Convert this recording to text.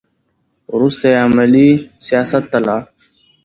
وروسته یې عملي سیاست ته لاړ.